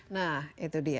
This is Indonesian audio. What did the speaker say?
nah itu dia